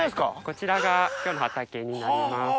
こちらが今日の畑になります。